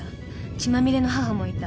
血まみれの母もいた。